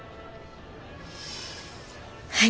はい。